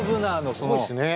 すごいですね。